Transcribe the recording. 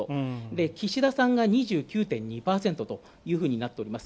岸田さんが２９．２％というふうになっております。